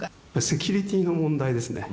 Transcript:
セキュリティーの問題ですね。